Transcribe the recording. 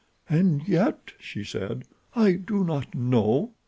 "And yet," she said, "I do not know.